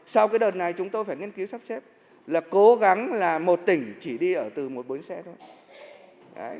sau cái đợt này chúng tôi phải nghiên cứu sắp xếp là cố gắng là một tỉnh chỉ đi ở từ một bốn xã thôi